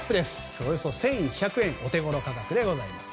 およそ１１００円とお手頃価格でございます。